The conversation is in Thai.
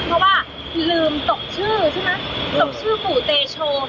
เพราะว่าลืมตกชื่อใช่ไหมตกชื่อปู่เตโช